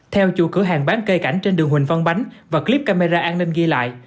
theo chủ cửa hàng bán cây cảnh trên đường huỳnh văn bánh và clip camera an ninh ghi lại